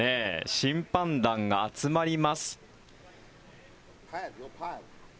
審判団が集まります。